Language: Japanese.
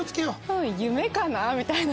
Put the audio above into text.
夢かな？みたいな。